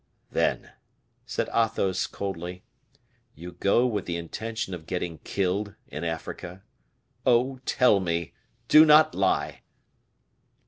"Then," said Athos, coldly, "you go with the intention of getting killed in Africa? Oh, tell me! do not lie!"